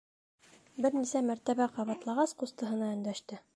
Бер нисә мәртәбә ҡабатлағас, ҡустыһына өндәште.